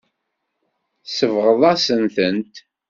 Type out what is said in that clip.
Tsebɣeḍ-as-tent.